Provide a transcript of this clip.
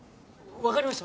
分かりました